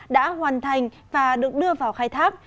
đã hoàn thành và được đưa vào khai thác